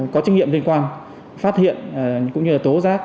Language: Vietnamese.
các doanh nghiệp liên quan phát hiện cũng như là tố giác